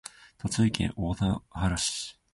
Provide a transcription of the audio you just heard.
栃木県大田原市